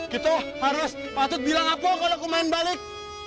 kita harus patut bilang apa kalau kumain balik